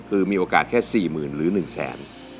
คือมีโอกาสแค่๔๐๐๐หรือ๑แสน